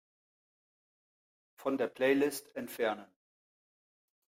Von der Playlist entfernen.